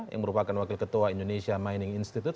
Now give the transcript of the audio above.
yang merupakan wakil ketua indonesia mining institute